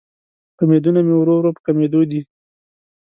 امیدونه مې ورو ورو په کمیدو دې